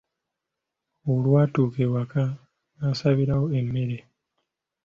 Olwatuuka ewaka n'asabirawo emmere.